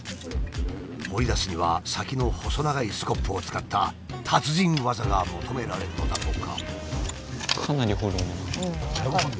掘り出すには先の細長いスコップを使った達人技が求められるのだとか。